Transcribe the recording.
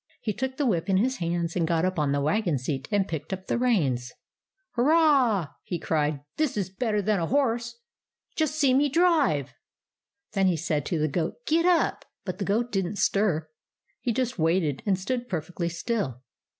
He took the whip in his hands, and got up on the wagon seat and picked up the reins. "Hurrah!" he cried. "This is better than a horse ! Just see me drive !" Then he said to the goat, " Get up !" WALTER AND THE GOAT 89 But the goat did n't stir. He just waited, and stood perfectly still.